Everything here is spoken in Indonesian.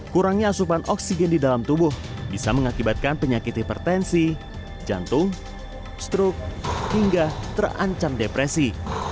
kurangnya asupan oksigen di dalam tubuh bisa mengakibatkan penyakit hipertensi jantung stroke hingga terancam depresi